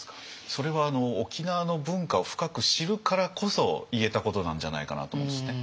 それは沖縄の文化を深く知るからこそ言えたことなんじゃないかなと思うんですね。